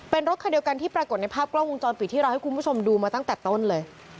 เป็นรถคันเดียวกันที่ปรากฏในภาพกล้องวงจรปิดที่เราให้คุณผู้ชมดูมาตั้งแต่ต้นเลย